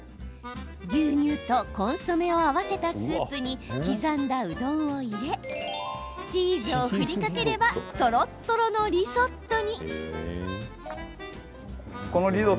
牛乳とコンソメを合わせたスープに、刻んだうどんを入れチーズを振りかければとろっとろのリゾットに。